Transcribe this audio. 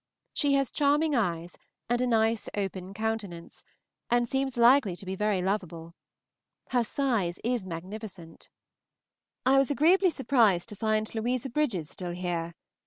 She has charming eyes and a nice open countenance, and seems likely to be very lovable. Her size is magnificent. I was agreeably surprised to find Louisa Bridges still here.